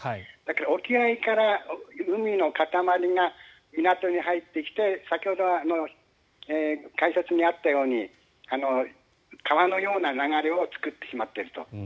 沖合から海のかたまりが港に入ってきて先ほどの解説にあったように川のような流れを作ってしまっていると。